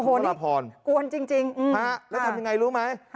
โอ้โฮนี่กวนจริงอืมฮะแล้วทำยังไงรู้ไหม